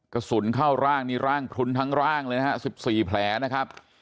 กระสุนเข้าร่างนี่ร่างพลุนทั้งร่างเลยนะฮะ๑๔แผลนะครับ